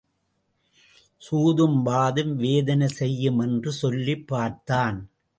சூதும் வாதும் வேதனை செய்யும் என்று சொல்லிப் பார்த்தான்.